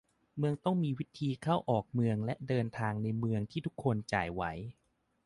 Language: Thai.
เมืองต้องมีวิธีเข้าออกเมืองและเดินทางในเมืองที่คนทุกคนจ่ายไหว